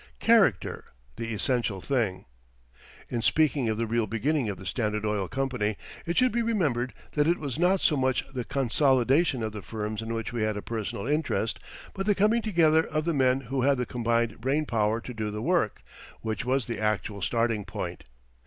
CHARACTER THE ESSENTIAL THING In speaking of the real beginning of the Standard Oil Company, it should be remembered that it was not so much the consolidation of the firms in which we had a personal interest, but the coming together of the men who had the combined brain power to do the work, which was the actual starting point.